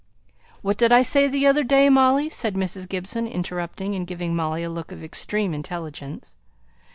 "What did I say the other day, Molly?" said Mrs. Gibson, interrupting, and giving Molly a look of extreme intelligence.